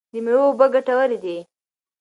د مېوو اوبه ګټورې دي.